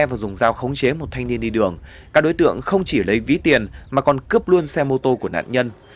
và dùng dao khống chế một thanh niên đi đường các đối tượng không chỉ lấy ví tiền mà còn cướp luôn xe mô tô của nạn nhân